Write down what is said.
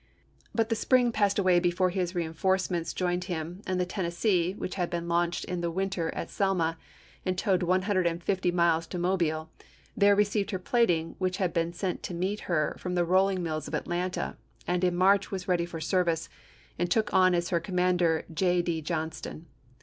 But the spring passed away before his reen forcements joined him, and the Tennessee, which had been launched in the winter at Selma, and towed one hundred and fifty miles to Mobile, there received her plating which had been sent to meet her from the rolling mills of Atlanta, and in March was ready for service and took on as her commander J. D. Johnston.